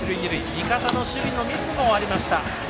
味方の守備のミスもありました。